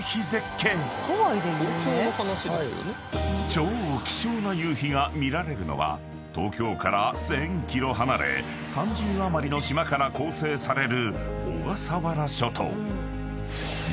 ［超希少な夕日が見られるのは東京から１，０００ｋｍ離れ３０余りの島から構成される］